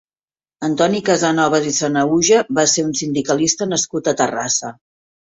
Antoni Casanovas i Sanahuja va ser un sindicalista nascut a Terrassa.